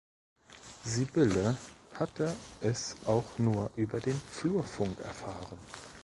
Sibylle hatte es auch nur über den Flurfunk erfahren.